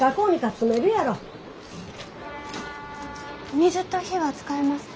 水と火は使えますか？